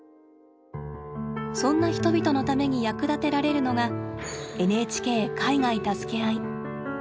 そんな人々のために役立てられるのが「ＮＨＫ海外たすけあい」。